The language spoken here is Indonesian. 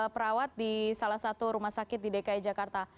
perawat di salah satu rumah sakit di dki jakarta